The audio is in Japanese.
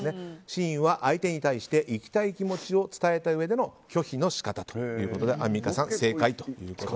真意は相手に対して行きたい気持ちを伝えたうえでの拒否の仕方ということでアンミカさん正解と。